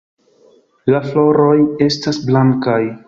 La floroj estas blankaj.